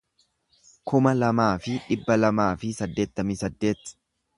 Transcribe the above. kuma lamaa fi dhibba lamaa fi saddeettamii saddeet